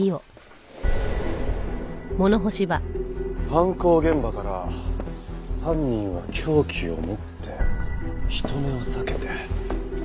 犯行現場から犯人は凶器を持って人目を避けて。